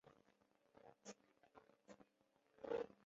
亚东蒲公英为菊科蒲公英属下的一个种。